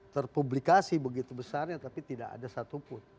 terpublikasi begitu besarnya tapi tidak ada satupun